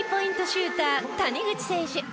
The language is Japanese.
シューター谷口選手。